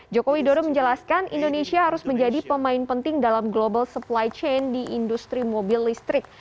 joko widodo menjelaskan indonesia harus menjadi pemain penting dalam global supply chain di industri mobil listrik